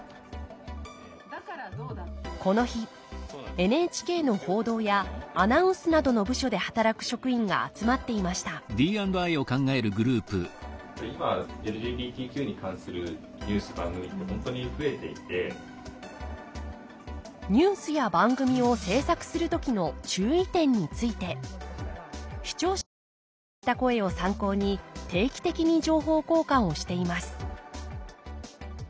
この日ＮＨＫの報道やアナウンスなどの部署で働く職員が集まっていましたニュースや番組を制作する時の注意点について視聴者から寄せられた声を参考に定期的に情報交換をしています